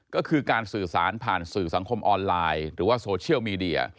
ก็คือการสื่อสารผ่านสื่อสังคมออนไลน์หรือว่าโซเชียลมีเดีย